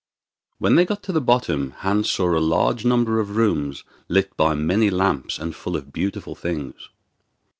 When they got to the bottom Hans saw a large number of rooms lit by many lamps and full of beautiful things.